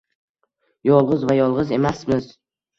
Yolg‘iz va yolg‘iz emasmiz.